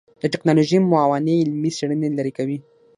د ټکنالوژۍ موانع علمي څېړنې لرې کوي.